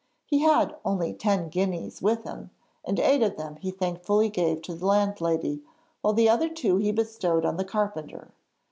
He had only ten guineas with him, and eight of them he thankfully gave to the landlady while the other two he bestowed on the carpenter.